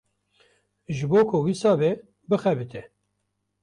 Ji bo ku wisa be bixebite.